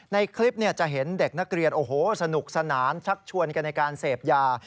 ในคลิปจะเห็นเด็กนักเรียนโอ้โหสนุกสนานชักชวนกันในการเสพยา